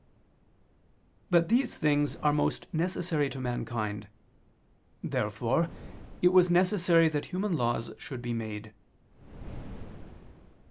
But these things are most necessary to mankind. Therefore it was necessary that human laws should be made.